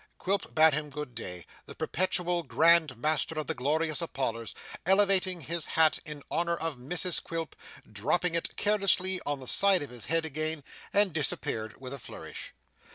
Quilp bade him good day; the perpetual Grand Master of the Glorious Apollers, elevating his hat in honour of Mrs Quilp, dropped it carelessly on the side of his head again, and disappeared with a flourish.